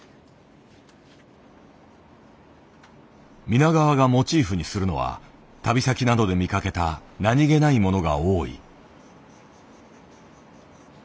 皆川がモチーフにするのは旅先などで見かけた何気ないものが多い。